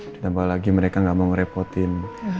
ditambah lagi mereka nggak mau ngerepotin